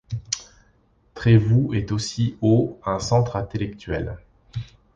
Trévoux est aussi aux un centre intellectuel.